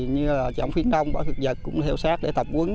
như là chọn khuyến đông bỏ thực vật cũng theo sát để tập quấn